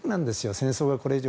戦争がこれ以上。